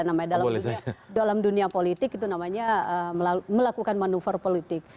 namanya dalam dunia politik itu namanya melakukan manuver politik